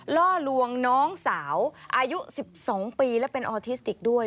ล่อลวงน้องสาวอายุ๑๒ปีและเป็นออทิสติกด้วย